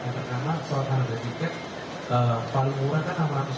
yang pertama soal harga tiket paling murah kan rp enam ratus